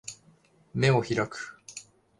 眼を開く